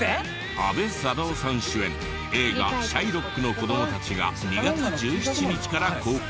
阿部サダヲさん主演映画『シャイロックの子供たち』が２月１７日から公開。